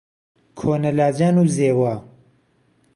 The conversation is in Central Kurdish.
کۆنە لاجان و زێوە